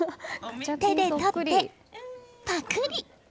手で取って、パクリ！